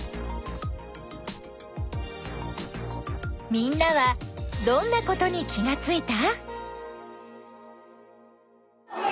みんなはどんなことに気がついた？